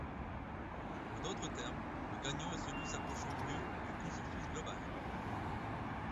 En d'autres termes, le gagnant est celui s'approchant au mieux du consensus global.